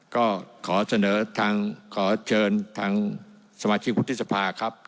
ก็ขอเสนอทางขอเชิญทางสมาชิกวุฒิสภาครับ